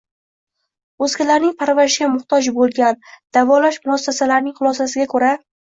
o‘zgalarning parvarishiga muhtoj bo‘lgan, davolash muassasasining xulosasiga ko‘ra